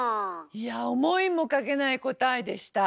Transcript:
いや思いもかけない答えでした！